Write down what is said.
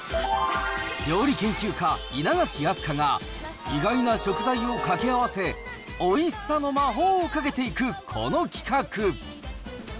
料理研究家、稲垣飛鳥が意外な食材を掛け合わせ、おいしさの魔法をかけていく、この企画。